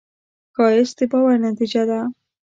ښایست د باور نتیجه ده